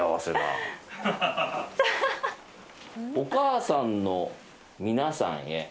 お母さんのみなさんへ。